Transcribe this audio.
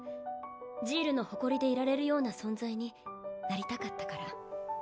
ジールの誇りでいられるような存在になりたかったから。